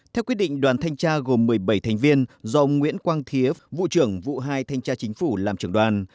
theo quyết định đoàn thanh tra gồm một mươi bảy thành viên do ông nguyễn quang thiế vụ trưởng vụ hai thanh tra chính phủ làm trưởng đoàn